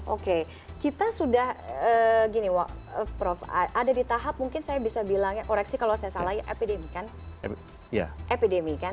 oke kita sudah gini prof ada di tahap mungkin saya bisa bilangnya koreksi kalau saya salah ya epidemi kan